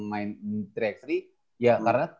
main tiga x tiga ya karena